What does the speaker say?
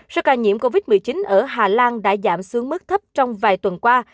số ca nhiễm covid một mươi chín ở hà lan đã giảm xuống mức thấp trong vài tuần qua